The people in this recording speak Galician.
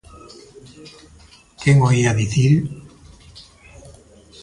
Quen o ía dicir?